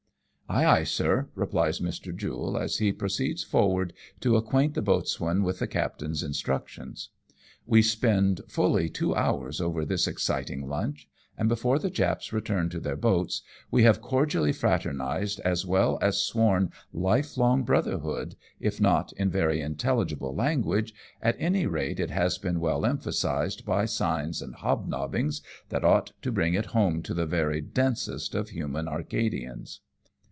" Ay ! ay ! sir," replies Mr. Jule, as he proceeds forward to acquaint the boatswain with the captain's instructions. We spend fully two hours over this exciting lunch, and before the Japs return to their boats we have cordially fraternized as well as sworn o2 196 AMONG TYPHOONS AND PIRATE CRAFT. life long brotherhood, if not in very intelligible language, at any rate it has been well emphasized, by signs and hobnobbings that ought to bring it home to the very densest of human Arcadians.